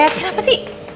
aduh kat kenapa sih